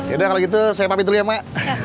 yaudah kalau gitu saya pamit dulu ya mak